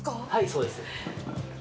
そうです。